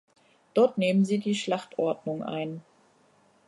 Dort nehmen sie die Schlachtordnung ein.